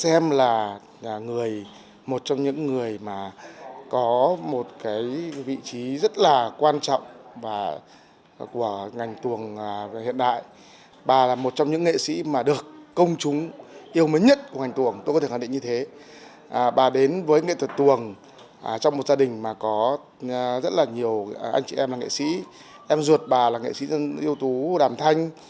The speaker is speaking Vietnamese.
em ruột bà là nghệ sĩ dân yêu thú đàm thanh